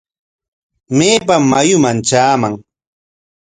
¿Maypam mayuman traaman?